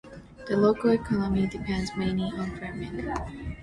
The local economy depends mainly on farming.